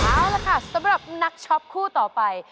เอาล่ะค่ะสำหรับนักช็อปคู่ต่อไป